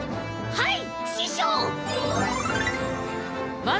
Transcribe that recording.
はい！